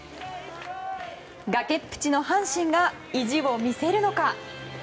崖っぷちの阪神が意地を見せるのか。